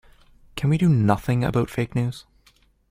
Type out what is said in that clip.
Can we do nothing about fake news?